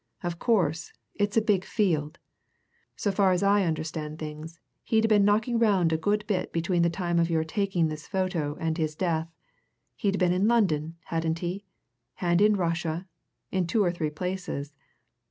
"Of course, it's a big field. So far as I understand things, he'd been knocking round a good bit between the time of your taking this photo and his death. He'd been in London, hadn't he? And in Russia in two or three places.